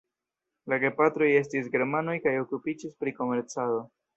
La gepatroj estis germanoj kaj okupiĝis pri komercado.